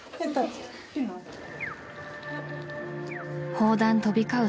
［砲弾飛び交う